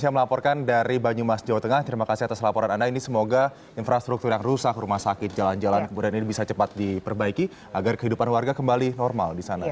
aldi dan juga kembali ke jakarta